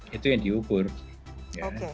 sekarang linux sebenarnya harus siched